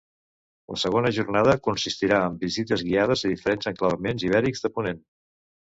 La segona jornada consistirà en visites guiades a diferents enclavaments ibèrics de Ponent.